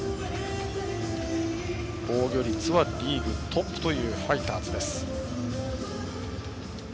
防御率はリーグトップというファイターズです。